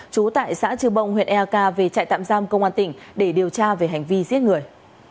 chú tại xã trư bông huyện ea ca về trại tạm giam công an tỉnh để điều tra về hành vi giết người